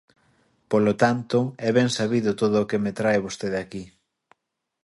Polo tanto, é ben sabido todo o que me trae vostede aquí.